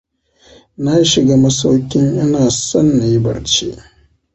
Na shiga masaukin ina son na yi barci.